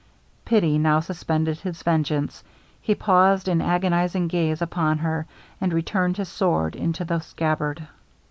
Pity now suspended his vengeance; he paused in agonizing gaze upon her, and returned his sword into the scabbard.